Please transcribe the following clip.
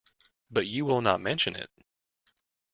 But you will not mention it?